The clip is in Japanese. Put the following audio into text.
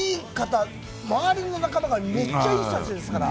周りの仲間がめっちゃいい人たちですから。